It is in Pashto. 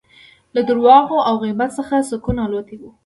له درواغو او غیبت څخه سکون الوتی وي